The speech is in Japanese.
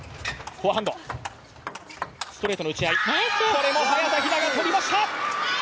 これも早田ひなが取りました！